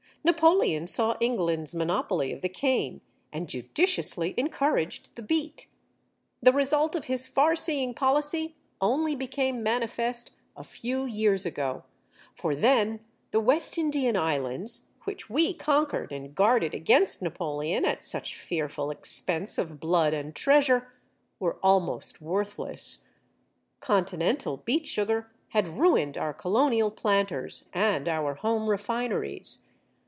Napoleon saw England's monopoly of the cane and judiciously encouraged the beet. The result of his far seeing policy only became manifest a few years ago, for then the West Indian Islands, which we conquered and guarded against Napoleon at such fearful expense of blood and treasure, were almost worthless; Continental beet sugar had ruined our colonial planters and our home refineries.